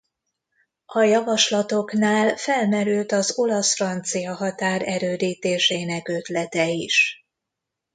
A javaslatoknál felmerült az olasz–francia határ erődítésének ötlete is.